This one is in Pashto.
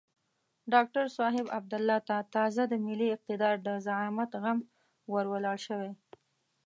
ډاکتر صاحب عبدالله ته تازه د ملي اقتدار د زعامت غم ور ولاړ شوی.